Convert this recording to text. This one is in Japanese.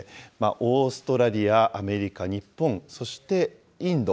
オーストラリア、アメリカ、日本、そして、インド。